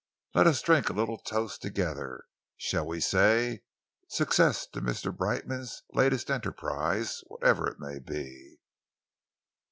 "Let us drink a little toast together. Shall we say 'Success to Mr. Brightman's latest enterprise, whatever it may be!'"